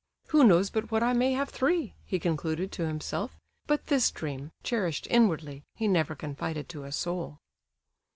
"Who knows but what I may have three!" he concluded to himself; but this dream, cherished inwardly, he never confided to a soul.